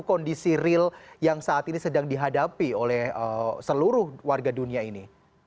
kondisi real yang saat ini sedang dihadapi oleh seluruh warga dunia ini